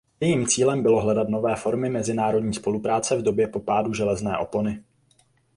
Jejím cílem bylo hledat nové formy mezinárodní spolupráce v době po pádu železné opony.